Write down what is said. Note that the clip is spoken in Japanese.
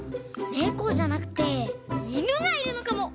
ねこじゃなくていぬがいるのかも！